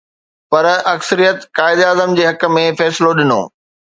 پر اڪثريت قائداعظم جي حق ۾ فيصلو ڏنو.